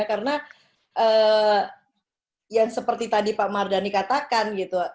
karena yang seperti tadi pak mardhani katakan gitu